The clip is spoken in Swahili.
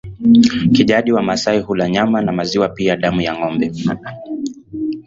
Kijadi Wamasai hula nyama na maziwa pia damu ya ngombe